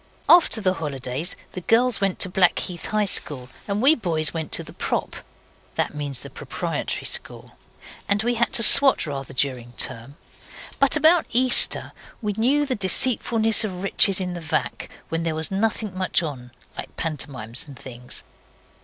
After the holidays the girls went to the Blackheath High School, and we boys went to the Prop. (that means the Proprietary School). And we had to swot rather during term; but about Easter we knew the deceitfulness of riches in the vac., when there was nothing much on, like pantomimes and things.